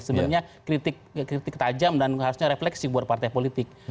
sebenarnya kritik tajam dan harusnya refleksi buat partai politik